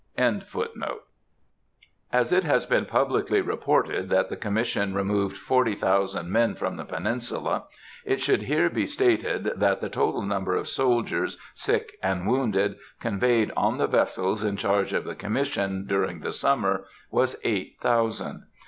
As it has been publicly reported that the Commission removed forty thousand men from the Peninsula, it should be here stated that the total number of soldiers, sick and wounded, conveyed on the vessels in charge of the Commission, during the summer, was eight thousand.